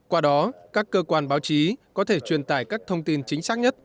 qua đó các cơ quan báo chí có thể truyền tải các thông tin chính xác nhất